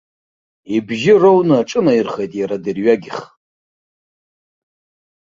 Ибжьы роуны аҿынаирхеит иара дырҩегьых.